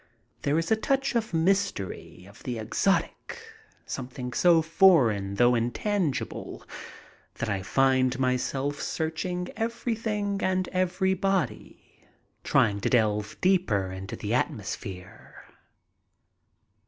There is a touch of mystery, of the exotic, something so foreign though intangible, that I find myself searching everything and everybody, trying to delve deeper into this atmosphere.